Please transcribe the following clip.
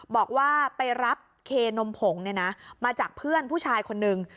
บอกว่าไปรับเคนมผงมาจากเพื่อนผู้ชายคนนึง